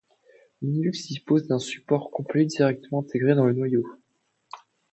Linux dispose d'un support complet directement intégré dans le noyau.